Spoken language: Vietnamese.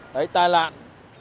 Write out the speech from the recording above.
đấy tai nạn